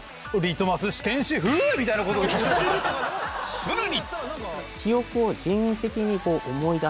さらに！